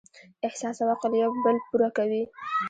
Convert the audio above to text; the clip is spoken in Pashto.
احساس او عقل یو بل پوره کوي.